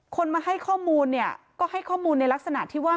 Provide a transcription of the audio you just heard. คนมาให้ข้อมูลเนี่ยก็ให้ข้อมูลในลักษณะที่ว่า